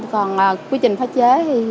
còn quy trình pha chế thì